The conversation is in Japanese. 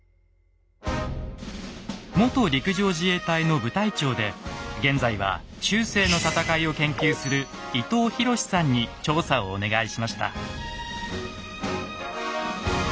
元陸上自衛隊の部隊長で現在は中世の戦いを研究する伊東寛さんに調査をお願いしました。